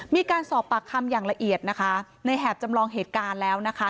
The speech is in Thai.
มีการสอบปากคำอย่างละเอียดนะคะในแหบจำลองเหตุการณ์แล้วนะคะ